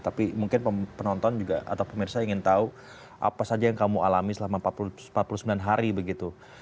tapi mungkin penonton juga atau pemirsa ingin tahu apa saja yang kamu alami selama empat puluh sembilan hari begitu